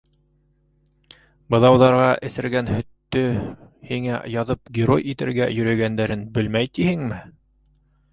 Быҙауҙарға эсергән һөттө һиңә яҙып герой итергә йөрөгәндәрен белмәй тиһеңме?